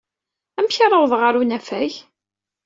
Amek ara awḍeɣ ɣer unafag?